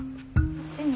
こっちに。